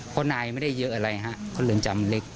เพราะนายไม่ได้เยอะอะไรฮะเพราะเรือนจำเล็ก